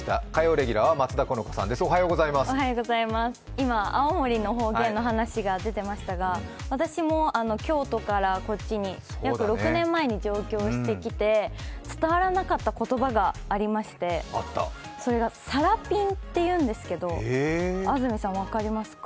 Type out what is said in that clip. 今、青森の方言の話が出てましたが私も京都からこっちに約６年前に上京してきて伝わらなかった言葉がありましてそれがさらぴんって言うんですけど、安住さん、分かりますか？